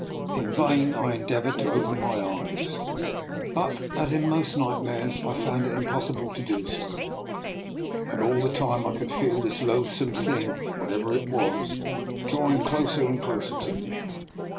In vain I endeavoured to open my eyes. DR. NIKOLA'S EXPERIMENT. 117 but, as in most nightmares, I found it impos sible to do so; and all the time I could feel this loathsome thing, whatever it was, drawing closer and closer to me.